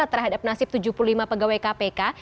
terhadap nasib tujuh puluh lima pegawai kpk